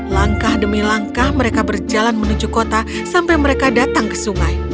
langkah demi langkah mereka berjalan menuju kota sampai mereka datang ke sungai